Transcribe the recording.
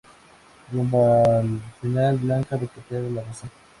Rumbo al final, Blanca recupera la razón.